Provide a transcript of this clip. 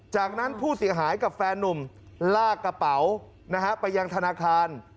จากนั้นผู้เสียหายกับแฟนนุ่มลากกระเป๋าไปยังธนาคาร